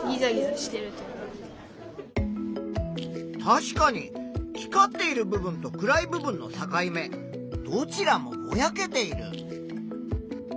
確かに光っている部分と暗い部分の境目どちらもぼやけている。